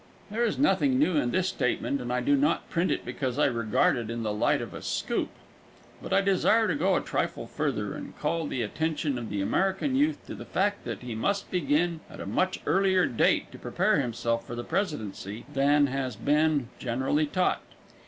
There is nothing new in this statement, and I do not print it because I regard it in the light of a "scoop." But I desire to go a trifle further, and call the attention of the American youth to the fact that he must begin at a much earlier date to prepare himself for the presidency than has been generally taught.